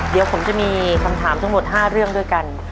เดี๋ยวผมจะมีคำถามทั้งหมด๕เรื่องด้วยกัน